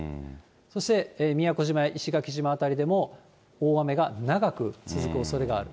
そして宮古島や石垣島辺りでも、大雨が長く続くおそれがある。